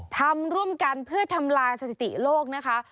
ทำร่วมกันเพื่อทำลายสถิติโลกนะคะ